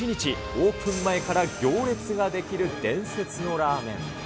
オープン前から行列が出来る伝説のラーメン。